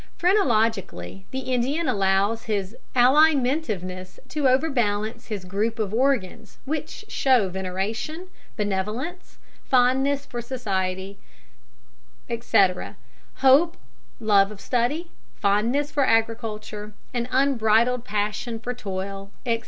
Phrenologically the Indian allows his alimentiveness to overbalance his group of organs which show veneration, benevolence, fondness for society, fêtes champêtres, etc., hope, love of study, fondness for agriculture, an unbridled passion for toil, etc.